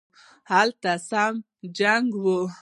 هلته سم جنګ وو